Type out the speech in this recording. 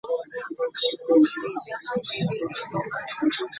He enjoyed flying, auto restoration, running, and skiing.